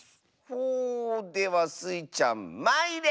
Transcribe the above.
ほではスイちゃんまいれ！